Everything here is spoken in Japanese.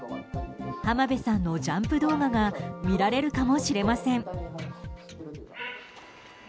浜辺さんのジャンプ動画が見られるかもしれません。